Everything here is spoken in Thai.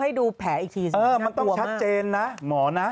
ให้ดูแผลอีกทีสิน่ากลัวมากเออมันต้องชัดเจนนะหมอนะ